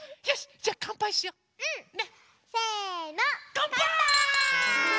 かんぱい！